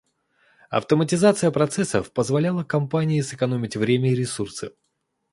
Автоматизация процессов позволяла компаниям сэкономить время и ресурсы.